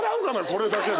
これだけで。